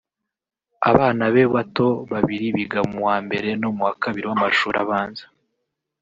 Abana be bato babiri biga mu wa mbere no mu wa kabiri w’amashuli abanza